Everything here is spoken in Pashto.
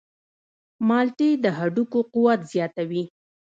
مالټې د هډوکو قوت زیاتوي.